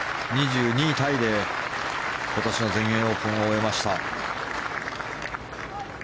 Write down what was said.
２２位タイで今年の全英オープンを終えました。